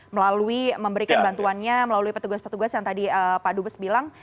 melalui memberikan bantuannya melalui petugas petugas yang tadi pak dubes bilang